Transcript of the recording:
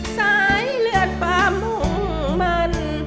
สายเลือดปลามุ่งมัน